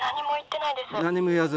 何も言わず。